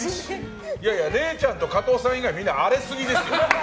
いやいやれいちゃんと加藤さん以外みんな荒れすぎですよ。